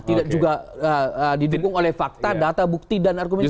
tidak juga didukung oleh fakta data bukti dan argumentasi